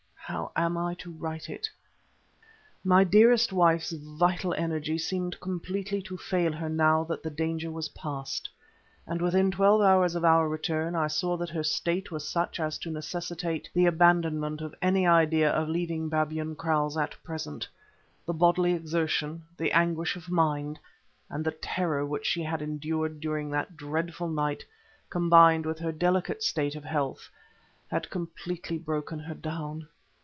How am I to write it? My dearest wife's vital energy seemed completely to fail her now that the danger was past, and within twelve hours of our return I saw that her state was such as to necessitate the abandonment of any idea of leaving Babyan Kraals at present. The bodily exertion, the anguish of mind, and the terror which she had endured during that dreadful night, combined with her delicate state of health, had completely broken her down.